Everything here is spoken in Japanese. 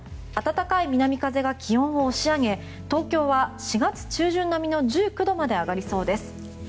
暖かい南風が気温を押し上げ東京は４月中旬並みの１９度まで上がりそうです。